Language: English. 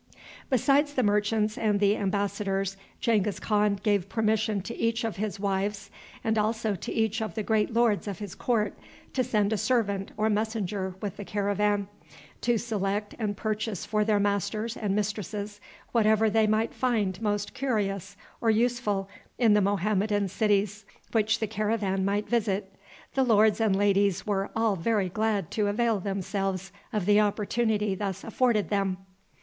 Besides the merchants and the embassadors, Genghis Khan gave permission to each of his wives, and also to each of the great lords of his court, to send a servant or messenger with the caravan, to select and purchase for their masters and mistresses whatever they might find most curious or useful in the Mohammedan cities which the caravan might visit. The lords and ladies were all very glad to avail themselves of the opportunity thus afforded them.